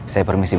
saya permisi bu